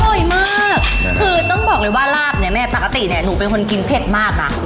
อร่อยมากคือต้องบอกเลยว่าลาบเนี่ยแม่ปกติเนี่ยหนูเป็นคนกินเผ็ดมากนะ